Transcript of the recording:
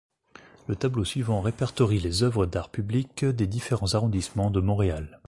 Le tableau suivant répertorie les œuvres d'art public des différents arrondissements de Montréal.